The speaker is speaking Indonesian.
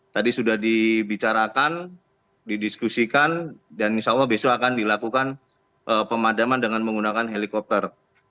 tadi sudah dibicarakan didiskusikan dan insya allah besok akan dilakukan pemadaman dengan menggunakan helikopter